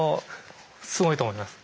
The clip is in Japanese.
すごいと思います。